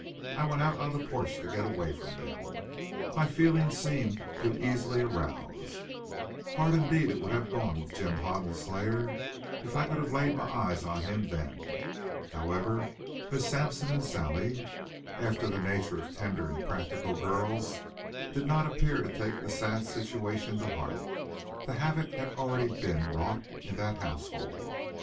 I went out on the porch to get away from them. My feelings seemed too easily aroused. Hard indeed would it have gone with Jim Hoden's slayer if I could have laid my eyes on him then. However, Miss Sampson and Sally, after the nature of tender and practical girls, did not appear to take the sad situation to heart. The havoc had already been wrought in that household.